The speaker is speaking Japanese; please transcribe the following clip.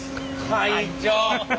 会長！